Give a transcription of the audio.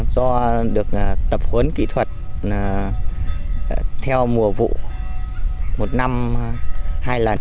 do được tập huấn kỹ thuật theo mùa vụ một năm hai lần